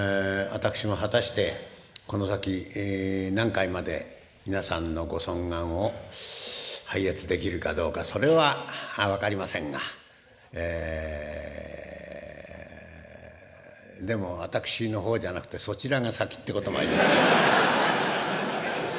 私も果たしてこの先何回まで皆さんのご尊顔を拝謁できるかどうかそれは分かりませんがえでも私の方じゃなくてそちらが先ってこともあります。